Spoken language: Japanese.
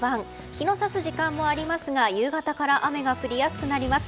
日のさす時間もありますが夕方から雨が降りやすくなります。